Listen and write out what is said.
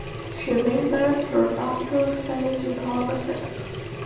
She remained there for her doctoral studies in polymer physics.